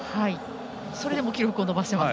それでも記録を伸ばしています。